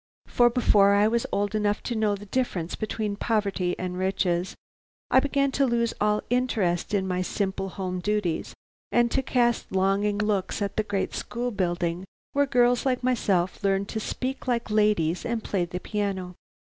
"For before I was old enough to know the difference between poverty and riches, I began to lose all interest in my simple home duties, and to cast longing looks at the great school building where girls like myself learned to speak like ladies and play the piano.